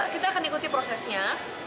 kita akan ikuti prosesnya